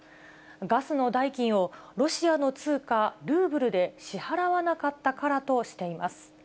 ガスの代金を、ロシアの通貨ルーブルで支払わなかったからとしています。